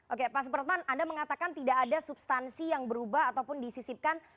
oke pak supratman anda mengatakan tidak ada substansi yang berubah ataupun disisipkan